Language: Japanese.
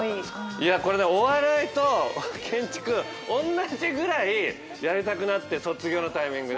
いやこれねお笑いと建築おんなじぐらいやりたくなって卒業のタイミングで。